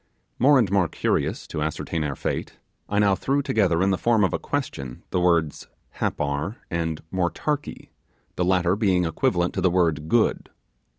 More and more curious to ascertain our fate, I now threw together in the form of a question the words 'Happar' and 'Motarkee', the latter being equivalent to the word 'good'.